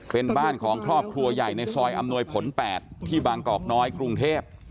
เป็นบ้านของครอบครัวใหญ่ในซอยอำนวยผล๘ที่บางกอกน้อยกรุงเทพ